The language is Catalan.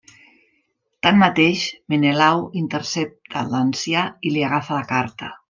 Tanmateix, Menelau intercepta l'ancià i li agafa la carta.